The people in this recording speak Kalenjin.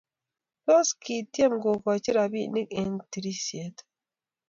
Tos, kityem kogochi robinik eng tirishet?